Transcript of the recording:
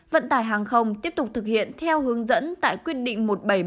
vận tải hàng không tiếp tục thực hiện theo hướng dẫn tại quyết định một nghìn bảy trăm bảy mươi sáu